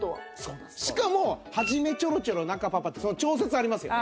しかも始めちょろちょろ中ぱっぱってその調節ありますよね。